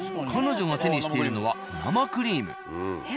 彼女が手にしているのは生クリーム。